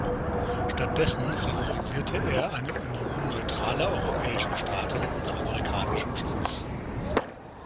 Stattdessen favorisierte er eine Union neutraler europäischer Staaten unter amerikanischem Schutz.